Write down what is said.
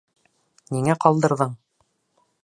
Ниңә ҡалдырҙың?